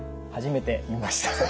初めて見ました。